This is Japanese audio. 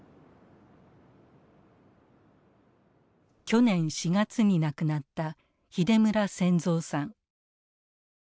去年４月に亡くなった秀村選三さん。